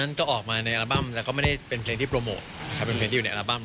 ตอนนั้นก็ออกมาในอัลบั้มแต่ไม่ได้เป็นเพลงที่โปรโมทเป็นเพลงที่อยู่ในอัลบั้ม